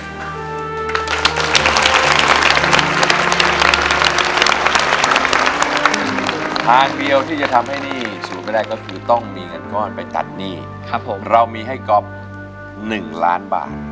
มคทางเดียวที่จะทำให้นี่สุดแรกก็ต้องมีกันก้อนไปตะนี่ครับผมเรามีให้กลับ๑ล้านบาท